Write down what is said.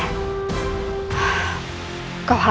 kau harus melakukan apa yang kamu inginkan